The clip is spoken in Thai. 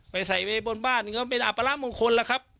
ไปใส่ไว้บนบ้านก็เป็นอัปรับของคนล่ะครับ